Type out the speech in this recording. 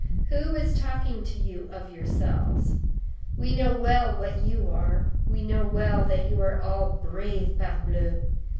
Who is talking to you of yourselves? We know well what you are; we know well that you are all brave, parbleu!